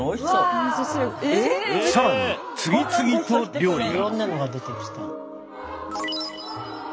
更に次々と料理が。